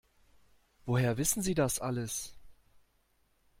Woher wissen Sie das alles?